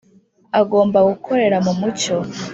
agomba gukorera mu mucyo